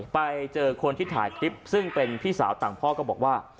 ไปเจอคนที่ถ่ายคลิปซึ่งเป็นพี่สาวต่างพ่อก็บอกว่า